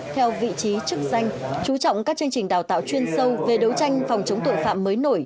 theo vị trí chức danh chú trọng các chương trình đào tạo chuyên sâu về đấu tranh phòng chống tội phạm mới nổi